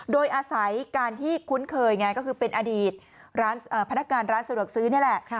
โดยอาศัยการที่คุ้นเคยไงก็คือเป็นอดีตพนักงานร้านสะดวกซื้อนี่แหละ